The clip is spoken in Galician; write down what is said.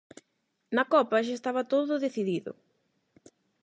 Na copa xa estaba todo decidido.